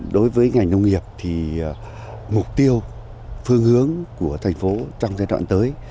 đối với ngành nông nghiệp thì mục tiêu phương hướng của thành phố trong giai đoạn tới